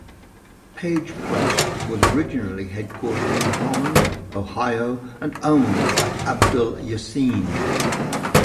Page Plus was originally headquartered in Holland, Ohio, and owned by Abdul Yassine.